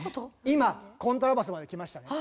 今コントラバスまできましたね。